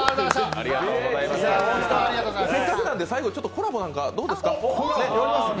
せっかくなんで最後コラボなんかどうですか。